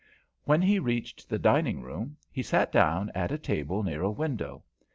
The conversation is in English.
When he reached the dining room he sat down at a table near a window.